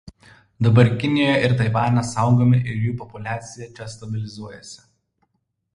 Dabar Kinijoje ir Taivane saugomi ir jų populiacija čia stabilizuojasi.